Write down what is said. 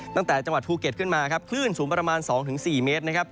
จังหวัดภูเก็ตขึ้นมาครับคลื่นสูงประมาณ๒๔เมตรนะครับ